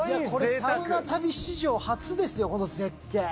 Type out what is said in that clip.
これ、サウナ旅史上、初ですよ、この絶景。